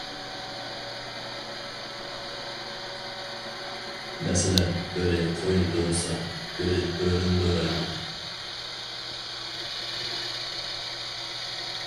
مەسىلەن: بىرى قوينى دورىسا، بىرى بۆرىنى دورايدۇ.